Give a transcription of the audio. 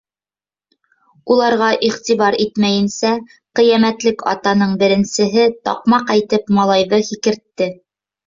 Уларға иғтибар итмәйенсә, ҡиәмәтлек атаның беренсеһе таҡмаҡ әйтеп малайҙы һикертте.